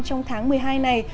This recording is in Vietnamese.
trong tháng một mươi hai này